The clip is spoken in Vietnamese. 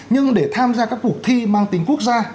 nhưng để tham gia các cuộc thi mang tính quốc gia